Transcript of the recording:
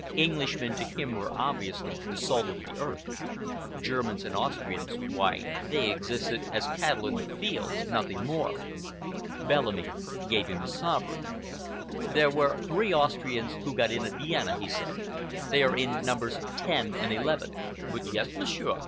Englishmen to him were obviously the salt of the earth. Germans and Austrians—why, they existed as the cattle in the fields—nothing more. Bellamy gave him a sovereign. "There were three Austrians who got in at Vienna," he said. "They are in numbers ten and eleven." "But yes, Monsieur!"